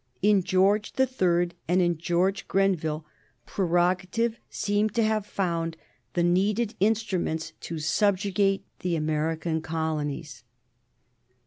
In George the Third and in George Grenville prerogative seemed to have found the needed instruments to subjugate the American colonies.